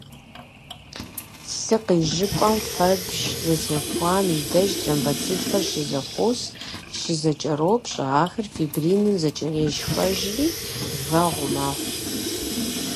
Лъы къижыпӏэм, фэбжь зытехуам и деж тромбоцитхэр щызэхуос, щызэкӏэропщӏэ, ахэр фибриным зэкӏэрешхэжри, вэгъу мэхъу.